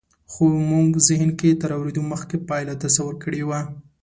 خو مونږ زهن کې تر اورېدو مخکې پایله تصور کړې وي